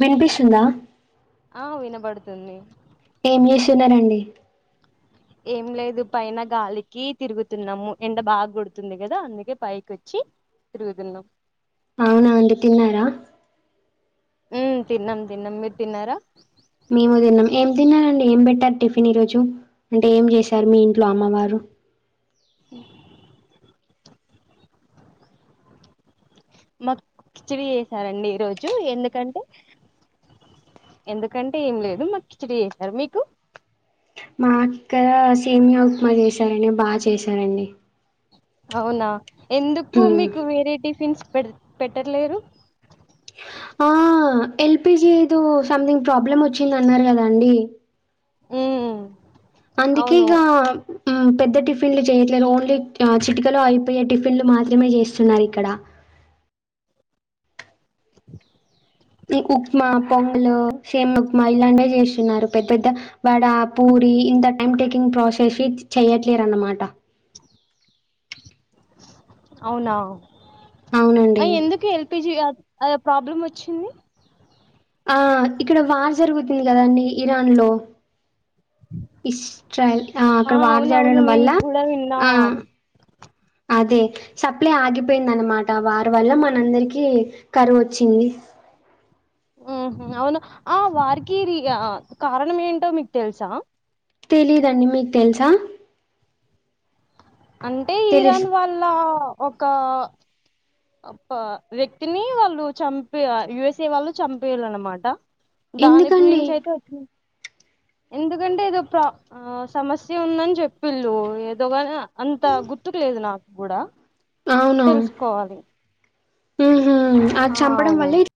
విన్పిస్తుందా తుంది ఏం చేస్తున్నరండి. ఏం లేదు పైన గాలికి తిరుగుతున్నము ఎండ బాగా కొడుతుంది కదా అందుకే పైకొచ్చి తిరుగుతున్నమ్. నాండి తిన్నారా హ్మ్ తిన్నం తిన్నం మీరు తిన్నారా మేము తిన్నం ఏం తిన్నారండి ఏం పెట్టారు టిఫిన్ ఈ రోజు. అంటే ఏం చేశారు మీ ఇంట్లో అమ్మవారు. మాకు కిచిడి చేసారండి ఈరోజు ఎందుకంటే ఎందుకంటే ఏం లేదు మాకు కిచిడి చేసారు మీకు మా అక్క సేమ్యా ఉప్మా చేశారండి బాగా చేశారండి. అవునా ఎందుకు హ్మ్. మీకు వేరే టిఫిన్స్ పెట్ పెట్టట్లేరు. ఆ ఎల్ పి జీ ఏదో సంథింగ్ ప్రాబ్లమ్ వచ్చింది అన్నారు కదండి. మ్మ్ అందుకే ఇగా ఆ పెద్ద టిఫిన్లు చేయట్లేదు ఓన్లీ చిటికలో అయిపోయే టిఫిన్లు మాత్రమే చేస్తున్నారు ఇక్కడ. ఈ ఉప్మా పొంగలు సేమ్యా ఉప్మా ఇలాంటివే చేస్తున్నారు పెద్ పెద్ద వడ పూ రీ ఇంత టైమ్ టేకింగ్ ప్రాసెస్ చెయట్లేరన్మాట. అవునా అ అవునండి ఎందుకు ఎల్ పి జి అ ఏదో ప్రాబ్లం వచ్చింది. ఆ ఇక్కడ వార్ జరుగుతుంది కదండి ఇరాన్ లో. ఇష్ ట్రైల్ ఆ అక్కడ వార్ అవునవును జరగడం వల్ల నేను కూడా విన్నా ఆ అదే సప్ ప్లే ఆగిపోయిందనమాట వారి వల్ల మనందరికి కరువచ్చింది. ఉహ అవును ఆ వారికి రి ఆ కారణం ఏంటో మీకు తెలుసా. తెలీదండి మీకు తెల్సా. అంటే ఇరాన్ వాళ్ళ ఒక అ వ్యక్తిని వాళ్ళు చంపి ఆ యూ ఎస్ ఏ వాళ్ళు చంపిలన్నమాట. దాని ఎందుకండి గురించయితే వచ్చినయ్ ఎందుకంటే ఏదో ప్రా ఆ సమస్య ఉందని జెప్పిల్ళు ఏదోగాన్ అంత గుర్తుకు లేదు నాగ్గుడా అవునా తెలుసుకోవాలి ఉమ్ ఆ చంపడం వల్లే ఇద్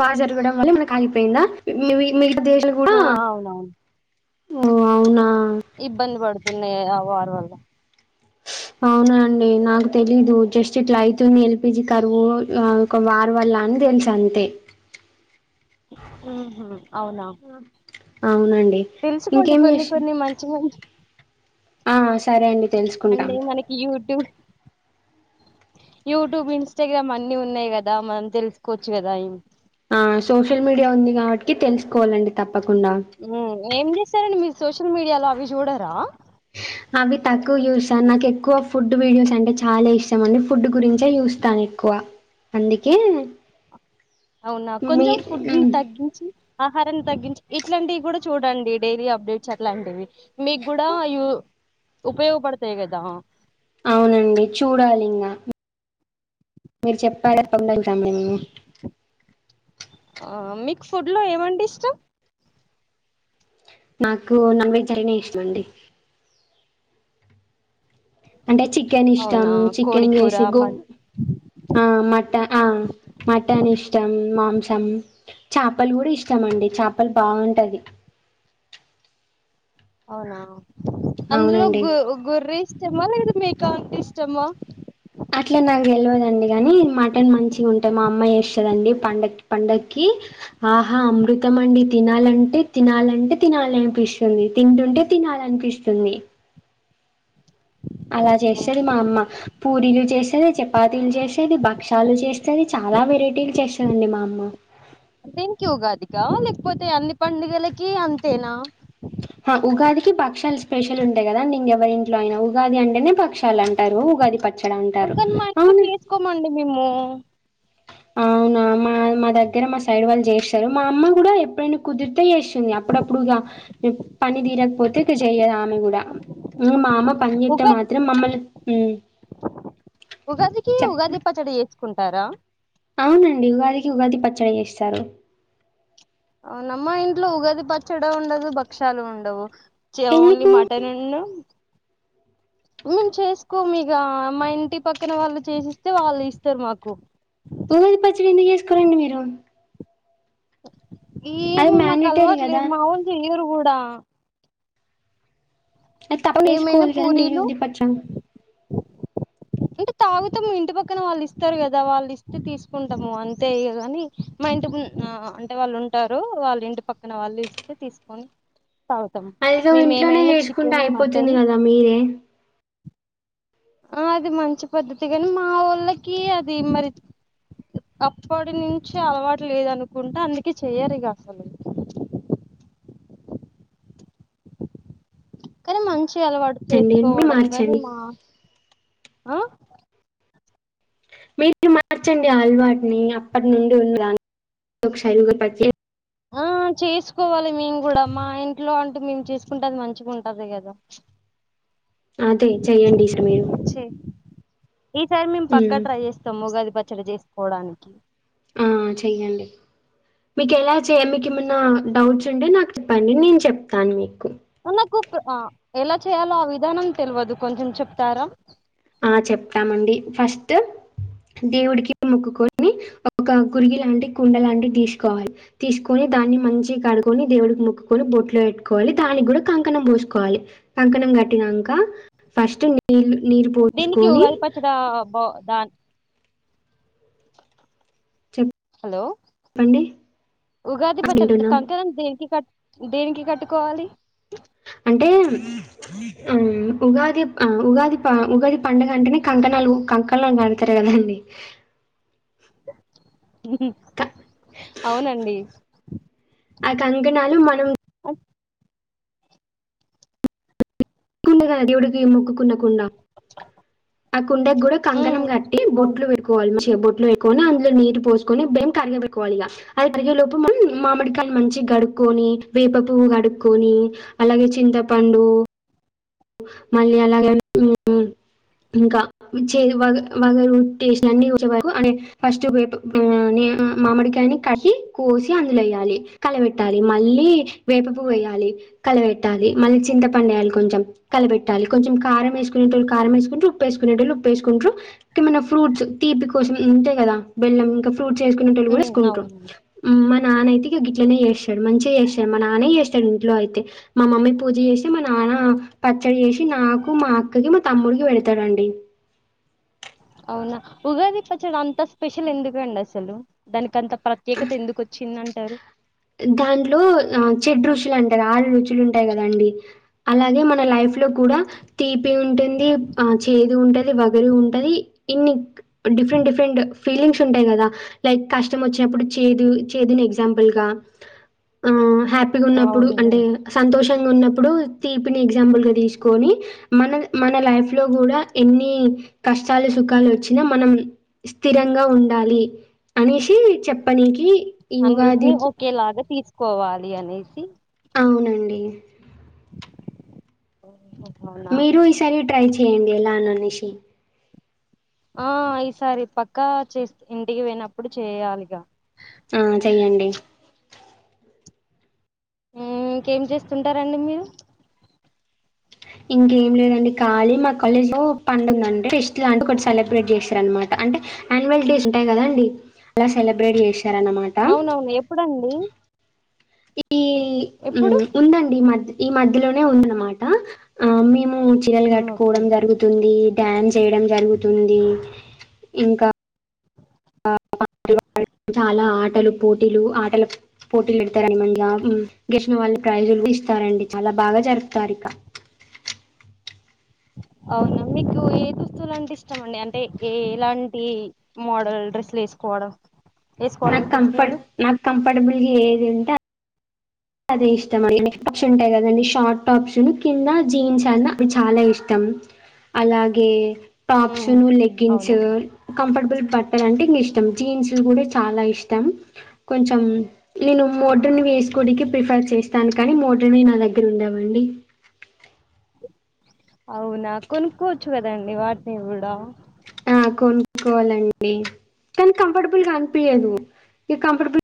వార్ జరగడం వల్లే మనకాగిపోయిందా మీ మీ మీర్ ఆ అవునవును ఓ అవునా ఇబ్బంది పడుతున్నయి అగొ ఆడి వల్ల అవునా అండి నాకు తెలీదు జస్ట్ ఇట్లా అయితుంది ఎల్ పి జి కరువు ఆ ఒక వార్ వల్ల అని తెలుసంతే ఉమ్ హు అవునా అవునండి తెలుసుకోండి ఇంకేం కొన్ని జేశిల్ కొన్ని మంచి మంచి తెలుసుకుంటాం అంటే మనకి యూట్యూబ్ యూట్యూబ్, ఇన్స్టాగ్రామ్ అన్ని ఉన్నాయి గదా మనం తెలుసుకోవచ్చు గదా ఆ సోషల్ మీడియా ఉంది గాబట్కి తెలుసుకోవాలండి తప్ ఉమ్ ఏమేం చేస్తరండి మీరు సోషల్ మీడియాల అవి జూడరా అవి తక్కువ చూస్తాను నాకెక్కువ ఫుడ్ వీడియోస్ అంటే చాలా ఇష్టం అండి, ఫుడ్ గురించే చూస్తాను ఎక్కువ అందుకే అవునా మీ కొంచెం ఫుడ్ ని తగ్గించి ఆహారాన్ని తగ్గించి ఇట్లాంటియి గూడ చూడండి డైలీ అప్డేట్స్ అట్లాంటివి మీగ్గుడా ఉపయోగపడతయి గదా అవునండి చూడాలింగ మీరు చెప్పాలే పండక్కి రాము మేము ఆ మీకు ఫుడ్ లో ఏమంటె ఇష్టం? నాకు నాన్ వెజ్ అంటేనే ఇష్టమండి అంటే చికెన్ ఇష్టం అవునా కోడి చికెన్ కూర జేసి గో మ ఆ మట ఆ మటన్ ఇష్ ష్టం మాంసం చాపలు గుడ ఇష్టమండి, చాపలు బాగుంటది అవునా అందులో అవునండి గు గొర్రె ఇష్టమా లేక్కోతే మేక అంటే ఇష్టమా అట్ల నాకు తెలవదండి గనీ మటన్ మంచిగుంటది, మా అమ్మ చేస్తదండి పండక్కి పండక్కి ఆహా అమృతమండి తినాలంటే తినాలంటే తినాలనిపిస్తది తింటుంటే తినాల్ లనిపిస్తుంది అలా ఓహో. చేస్తది మా అమ్మ పూరీలు చేస్తది, చపాతీలు చేసేది భక్షాలు చేస్తది చ అలా వెరైటీలు చేస్తదండి మా అమ్మ దేనికి ఉగాదిక లేకపోతే అన్ని పండుగలకి అంతేనా? హ ఉగాదికి బక్షాలు స్పెషల్ ఉంటయి గదాండింకెవరింట్లో అయినా ఉగాది అంటేనే బక్షాలు అంటారు ఉగాది ప ఒద్దని మాఇంట్ల చేసుకోమండి మేము అవునా మా మా దగ్గర మా సైడ్ వాళ్ళు జేస్తరు మా అమ్మ గుడా ఎప్పుడైనా కుదిరితే చేస్తుంది అప్పుడప్పుడిగా హా హ్మ్ పని తీరాకపోతే జెయ్యదామెగుడ పని జెత్తే ఉగాది మాత్రం మమ్మల్ చ్ కుంటారా అవునండి ఉగాదికి ఉగాది పచ్చడి జేస్తరు అవునా మా ఇంట్లో ఉగాది పచ్చడ ఉండదు భక్షాలు ఉండవు చిగా ఓన్లీ ఎందుకు మటనున్ను మేము చేసుకోమిగా, మా ఇంటి పక్కన వాళ్ళు చేసిస్తే వాళ్ళు ఇస్తరు మాకు. ఉగాది పచ్చిడి ఎందుకు జేసుకోరండి మీరు అది ఏమో మ్యాండేటరీ కదా మాకలవాట్లేదు మా ఒళ్ళు జెయ్యరు గూడా గ తప్పదు ఏమైనా నేర్చుకోవాలి కదండి పూరీలు ఉగాది పచ్చడ అంటే తాగుతము ఇంటి పక్కన వాళ్ళు ఇస్తారు గదా వాళ్ళు ఇస్తే తీసుకుంటము అంతే ఇగ గని మా ఇంటి ఉమ్ ఆ ఆ అంటే వాళ్ళు ఉంటరూ వాల్లింటి పక్కన వాళ్ళు ఇస్తే తీసుకొని తాగుతాం అదేదో మేము ఇంట్లోనే ఏమైనా జేసుకుంటే చికెన్ అయిపోతుంది మటన్ గదా మీరే ఆ అది మంచి పద్ధతి గని మా వోళ్ళకి అది మరి అప్పటి నుంచి అలవాటు లేదనుకుంట అందుకే చేయరిగ అసలు కనీ మంచి అలవాటు మార్చండి మీరు చేసుకోవడం గని మార్చండి మా ఆ మీరు మార్చండి ఆ అలవాటుని అప్పటి నుండి ఉన్నదాన్ని క్షైలు గ [unintelligible] ఆ చేసుకోవాలి మేము గూడా మా ఇంట్లో అంటె మేము చేసుకుంటే అది మంచిగుంటది గదా అదే చెయ్యండి ఈస్ట్ మీరు చే ఈసారి మేం పక్కా ఉమ్ ట్రై జేస్తము ఉగాది పచ్చడి జేసుకోవడానికి ఆ చెయ్యండి మీకెలా చే మీకేమన్నా డౌట్స్ ఉంటే నాకు చెప్పండి నేను చెప్తాను మీక్ నాకు క్ ఎలా చేయాలో ఆ విధానం తెల్వదు కొంచెం చెప్తారా ఆ చెప్తామండి ఫస్ట్ దేవుడికి మొక్కుకొని ఒక గురిగి లాంటి కుండ లాంటిది తీసుకోవాలి తీసుకొని దాన్ని మంచిగ కడుకొని దేవుడికి మొక్కుకొని బొట్లు పెట్టుకోవాలి, దానిగ్గుడ కంకణం పూసుకోవాలి కంకణం కంకణం గట్టినంక ఫస్ట్ నీల్ నీరు దీనికి పోసుకొని ఉగాది పచ్చడా బా దాన్ హలో చెప్పండి ఉగాది పచ్చడి వింటున్నాం కంకణం దేనికి కట్ దేనికి కట్టుకోవాలి అంటే ఆ ఉగాది ఆ ఉగాది ప ఉగాది పండగ అంటేనే కంకణాలు కంకణ కడతరు కదండి క- అవునండి ఆ కంకణాలు మనం అట్- దేవుడికి మొక్కుకున్న కుండ ఆ కుండగ్గుడ కంకణం ఉమ్ గట్టి అవును బొట్లు పెట్కోవాలి మంచిగ బొట్ కోని అందులో నీరు పోసుకొని బెల్లం కరగబెట్టుకోవాలిగ, అది కరిగేలోపు మనం మామిడికాయను మంచి గ్గడుక్క్ కొని వేప పువ్వు గడుక్కొని అలాగే చింతపండు మళ్ళీ అలాగే అందు [unintelligible] ఇంకా చేదు వగ వగరు టెస్ట్ లన్నీ వచ్చే వరకు అంటే ఫస్ట్ వేప ఉమ్ నీర్ ఉ ఉమ్ మామిడికాయని కడ్గి కోసి అందులేయ్యాలి, కలబెట్టాలి, మళ్ళీ వేపపువ్వేయాలి. కలబేట్టాలి మళ్ళీ చింత పండేయాలి కొంచం కలబెట్టాలి కొంచెం కారమేసుకునేటొళ్ళు కారమేసుకుంట్రు. ఉప్పేసుకునేటొళ్ళు ఉప్పేసుకుంట్రు ఏమైనా ఫ్రూట్స్ తి తీపి కోసం ఇంతే గదా బెల్లం ఇంక ఫ్రూట్స్ ఏసుకునేటొళ్ళు గూడ ఉమ్ ఎసుకుంట్రు అవును మర్ నానయితిగ గిట్లనే జేస్తడు మంచిగ చేస్తాడు మా నానే చేస్తాడు ఇంట్లో అయితే, మా మమ్మీ పూజ చేస్తే మా నాన్ [unintelligible] పచ్చడి జే సి నాకు, మా అక్కకి, మా తమ్ముడికి పెడతరండి. అవునా ఉగాది పచ్చడ అంత స్పెషల్ ఎందుకండసలు దానికంత ప్రత్యేకత ఎందుకొచ్చిందంటారు? దాంట్లో ఆ షడ్రుచులు అంటరు ఆరు రుచులు ఉంటయి గదండి అలాగే మన లైఫ్ లో కూడా తీపి ఉంటుంది, ఆ చేద్ ఉంటది వగరు ఉంటది ఇన్ని డిఫరెంట్ డిఫేండ్ ఫీలింగ్స్ ఉంటయి గదా లైక్ కష్టమొచ్చినప్పుడు చేదు చేదును ఎగ్జాంపుల్ గా ఆ హ్యాపిగున్నప్పుడు అవును అంటే సంతోషం ఉన్నప్పుడు తీపిని ఎగ్జాంపుల్గా తీసుకొని మన మన లైఫ్ లో గూడా ఎన్ని కష్టాలు సుఖాలొచ్చినా మనం స్థిరంగా ఉండాలి అనేసి చెప్పడానికి అన్నిటిని ఒకేలాగా తీసుకోవాలి అనేసి అవునండి అవునా మీరు ఈసారి ట్రై చేయండి ఎలా అనేసి ఆ ఈసారి పక్కా చేస్తా ఇంటికి పొయినప్పుడు చేయాలిగా ఆ చేయండి మ్మ్ ఇంకేం చేస్తుంటారండి మీరు ఇంకేం లేదండి కాలీ మా కాలేజ్ లో పండుగ లా ఫెస్ట్ లాంటిది సెలబ్రేట్ చేసిరన్మాట అంటే యాన్వల్ డేస్ ఉంటాయి కదండి అలా సెలబ్రేట్ చేసి అవునవును ఎప్పుడండి ఈ ఎప్- ఎప్పుడు మ్మ్ ఉందండి ఈ మధ్యలోనే ఉందన్నమాట ఆ మే ము చీరలు ఉమ్ కట్టుకోవడం ఓకే జరుగుతుంది డ్యాన్స్ చేయడం జరుగుతుంది ఇంక [unintelligible] [inaudible] చాలా ఆటల పోటీలు పెడుతారండి ఇంగా గెలిచిన వారికి ప్రైజులు ఇస్తారండి చాలా బాగా జరుపుతారు ఇక [unintelligible] అవునా మీకు ఏ దుస్తులు అంటే ఇష్టమండి అంటే ఏ ఎలాంటి మోడల్ డ్రెస్సుల్ వేసుకోవడం నాకు వేసుకోవాలనుకుంటున్నారు కంఫర్ట్ నాకు కంఫర్టబుల్ ఏదుంటే అది అదే ఇష్టం అండి నైట్ టాప్స్ ఉంటాయి కదండి షార్ట్ టాప్స్ కింద జీన్స్ అన్నా అవి చాలా ఇష్టం అలాగే టాప్స్ ఉమ్ ను లేగ్గిన్స్ అవునా కంఫర్ట్ బుల్ బట్టలంటే ఇంగా ఇష్టం జీన్స్ కూడా చాలా ఇష్టం కొంచం నేను మోడ్రన్ న వేసుకోనికి ప్రిఫర్ చేస్తాను కానీ మోడ్రన్ వి నా దగ్గర ఉండవండి అవునా కొనుక్కోవచ్చు కదండి వాటిని కూడా కొనుక్కొవాలండి కానీ కంఫర్టబుల్ గా అనిపియదు ఇవి కంఫర్టబుల్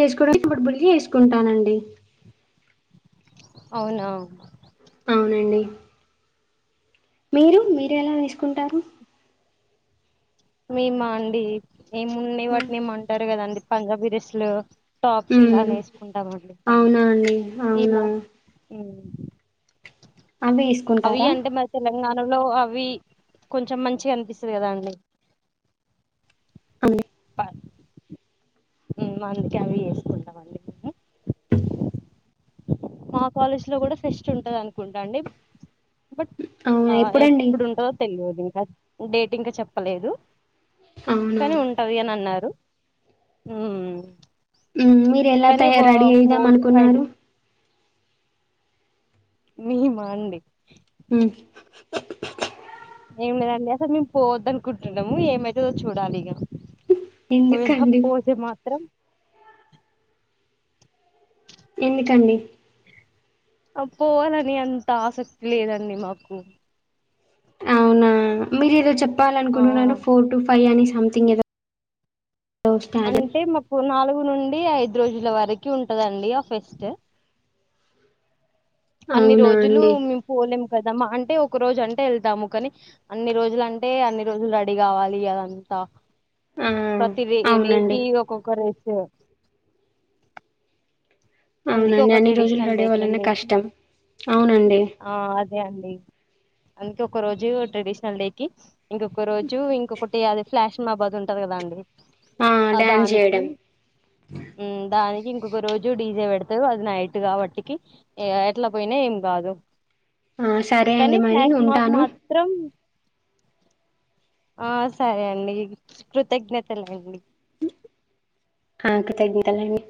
వేసుకోవడానికి కంఫర్టబుల్ వి వేసుకుంటానండి అవునా అవునండి మీరు మీరేలా వేసుకుంటారు మేమా అండి ఏమున్నాయి మ్మ్. వాటిని ఏమో అంటారు కదండి పంజాబీ డ్రెస్లు టాప్స్ ఇలానే వేసుకుంటామండి అవునా మ్మ్ ఈ అవునా మా ఉమ్ అవ్వే అవి వేసుకుంటారా అంటే మన తెలంగాణలో అవ్వి కొంచెం మంచిగా అనిపిస్తది కదా అండి ఆ [inaudible] అందుకే అవి వేసుకుంటామండి మా కాలేజ్ లో కూడా ఫెస్ట్ ఉంటంది అనుకుంటాండి బట్ అవునా ఆ ఎప్పుడండి ఎప్పుడుంటదో తెలియదు ఇంకా డేట్ చెప్పలేదు అవునా కాని ఉంటది అని అన్నారు మ్మ్ ఉమ్, మీరు ఎలా కానీ తయ ఒక రెడీ అయిదాం ఫోర్ టు ఫైవ్ అనుకున్నారు డేస్ లో మేమా అండి హ్హ్ మ్మ్ ఏం లేదండి అసలు మేము పోవద్దు అనుకుంటున్నాము ఏమైతదో చూడాలి ఇగా ఒకవేళ ఎందుకండి పోతే మాత్రం ఎందుకండి పోవాలని అంత ఆసక్తి లేదండి మాకు అవునా మీరు ఏదో ఆ చెప్పాలనుకున్నారు ఫోర్ టు ఫైవ్ అని సంథింగ్ ఏదో స్టార్ అంటే మాకు నాలుగు నుండి ఐదు రోజుల వరకు ఉంటదండి ఆ ఫెస్ట్ అన్ని అవునా రోజులు అండి మేం పోలేం కదమ్మా అంటే ఒక రోజు అంటే వెళ్తాము కానీ అన్ని రోజులు అంటే అన్ని రోజులు రెడీ కావాలి కదని త ఆ ప్రతి ఏ అవునండి డేకి ఒక్కొక్క డ్రెస్ అందుకే అవునండి ఒక అన్ని రోజులు ట్రెడిషనల్ డే రెడీ కి అవ్వాలన్నా వెళ్లి కష్టం అవునండి ఆ అదే అండి అందుకే ఒక రోజు ట్రెడిషనల్ డేకి ఇంకొక రోజు ఇంకొకటి అది ఫ్లాష్ మా బాద్ ఉంటది కదా అండి ఆ డ్యాన్స్ ఆదానికి చేయడం దానికి ఇంకొక రోజు డీజే పెట్ తారు అది నైట్ కాబట్టికి ఎట్లా పోయినా ఏం గాదు ఆ సరే కానీ అండి మరి ఫ్లాష్మా కు ఉంటాను మాత్రం ఆ సరే అండి కృతజ్ఞతలండి ఆ కృతజ్ఞతలు అండి